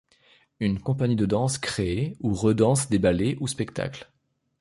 Une compagnie de danse crée ou redanse des ballets ou spectacles.